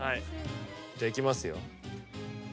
じゃあいきますよ。